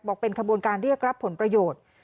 เป็นขบวนการเรียกรับผลประโยชน์